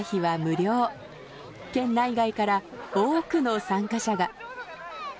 県内外から多くの参加者が。